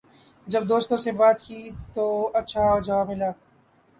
جب دوستوں سے بات کی تو اچھا جواب ملا